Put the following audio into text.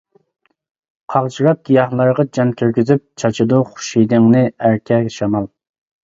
قاغجىراق گىياھلارغا جان كىرگۈزۈپ، چاچىدۇ خۇش ھىدىڭنى ئەركە شامال.